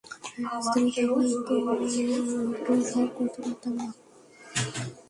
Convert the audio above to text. হ্যাঁ - স্ত্রী থাকলে এতসব করতে পারতাম না।